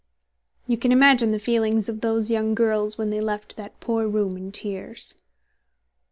You can imagine the feelings of those young girls when they left that poor room in tears.